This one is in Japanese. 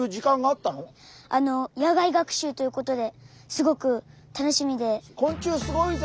あの野外学習ということですごく楽しみで。